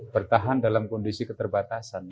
bertahan dalam kondisi keterbatasan